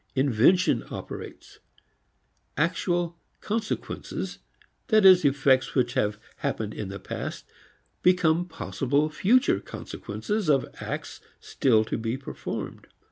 Invention operates. Actual consequences, that is effects which have happened in the past, become possible future consequences of acts still to be performed.